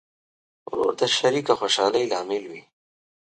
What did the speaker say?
ورور د شریکه خوشحالۍ لامل وي.